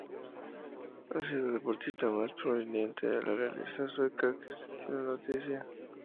Ha sido el deportista más prominente de la realeza sueca que se tiene noticia.